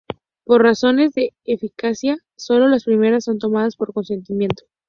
Por razones de eficacia, solo las primeras son tomadas por consentimiento.